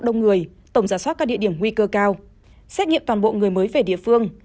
đông người tổng giả soát các địa điểm nguy cơ cao xét nghiệm toàn bộ người mới về địa phương